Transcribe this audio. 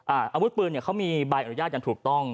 อาวุธปืนเขามีบายอนุญาตอย่างถูกต้อง